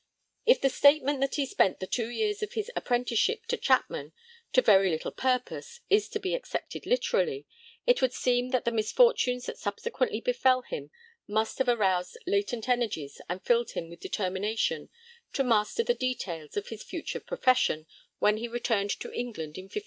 If the statement that he spent the two years of his apprenticeship to Chapman 'to very little purpose' is to be accepted literally, it would seem that the misfortunes that subsequently befell him must have aroused latent energies and filled him with determination to master the details of his future profession when he returned to England in 1594.